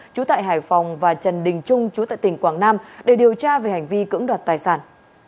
chú tại hải phòng và trần đình trung chú tại tỉnh quảng nam để điều tra về hành vi cưỡng đoạt tài sản